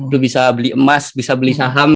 lo bisa beli emas bisa beli saham